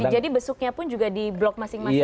jadi besuknya pun juga di blok masing masing ya